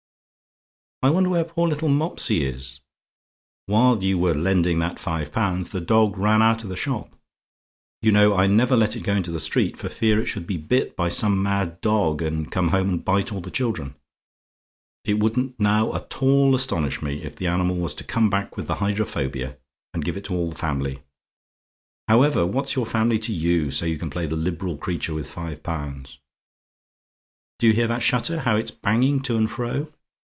"I wonder where poor little Mopsy is! While you were lending that five pounds, the dog ran out of the shop. You know, I never let it go into the street, for fear it should be bit by some mad dog, and come home and bite all the children. It wouldn't now at all astonish me if the animal was to come back with the hydrophobia, and give it to all the family. However, what's your family to you, so you can play the liberal creature with five pounds? "Do you hear that shutter, how it's banging to and fro?